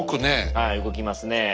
はい動きますね。